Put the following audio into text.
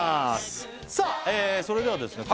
さあそれではですね